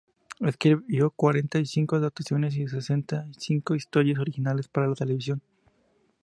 Escribió cuarenta y cinco adaptaciones y sesenta y cinco historias originales para la televisión.